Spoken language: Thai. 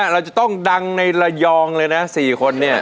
เราจะต้องดังในระยองเลยนะ๔คน